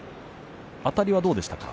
あたりはどうでしたか？